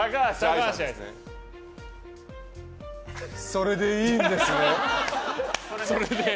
それでいいです。